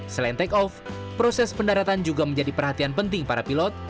selain take off proses pendaratan juga menjadi perhatian penting para pilot